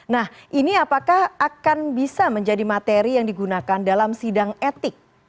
nah ini apakah akan bisa menjadi materi yang digunakan dalam sidang etik